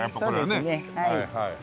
そうですねはい。